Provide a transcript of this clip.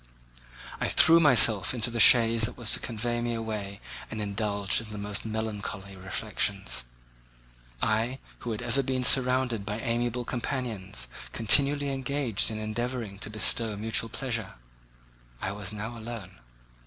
I threw myself into the chaise that was to convey me away and indulged in the most melancholy reflections. I, who had ever been surrounded by amiable companions, continually engaged in endeavouring to bestow mutual pleasure—I was now alone.